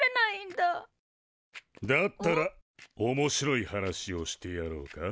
だったらおもしろい話をしてやろうか。